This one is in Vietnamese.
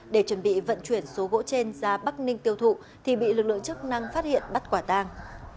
để chuẩn bị vận chuyển số gỗ trên ra bắc ninh tiêu thụ thì bị lực lượng chức năng phát hiện bắt quả tang